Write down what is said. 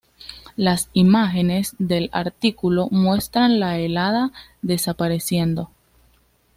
Las imágenes del artículo muestran la helada desapareciendo.